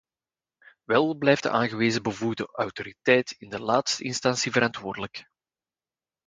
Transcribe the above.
Wel blijft de aangewezen bevoegde autoriteit in laatste instantie verantwoordelijk.